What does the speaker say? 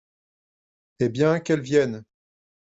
Eh ! bien, qu’elle vienne !…